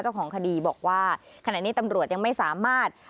เจ้าของคดีบอกว่าขณะนี้ตำรวจยังไม่สามารถ